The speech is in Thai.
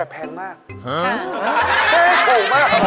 เฮ่ยถูกมากครับผม